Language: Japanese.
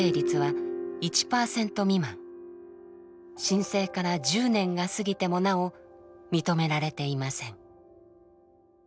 申請から１０年が過ぎてもなお認められていません。